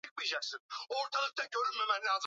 Pasifiki Funguvisiwa vya Galapagos Archipiélago de Colón